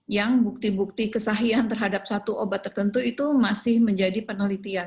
yang bukti bukti kesahian terhadap satu obat tertentu itu masih menjadi penelitian